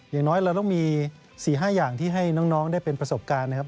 อย่างน้อยเราต้องมี๔๕อย่างที่ให้น้องได้เป็นประสบการณ์นะครับ